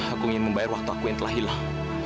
aku ingin membayar waktu aku yang telah hilang